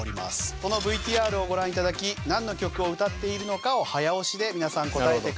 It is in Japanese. そのＶＴＲをご覧頂きなんの曲を歌っているのかを早押しで皆さん答えてください。